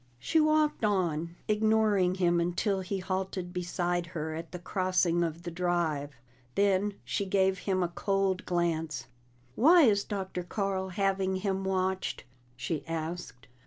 She walked on, ignoring him until he halted beside her at the crossing of the Drive. Then she gave him a cold glance. "Why is Dr. Carl having him watched?" she asked.